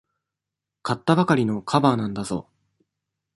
買ったばかりのカバーなんだぞ。